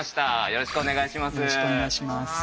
よろしくお願いします。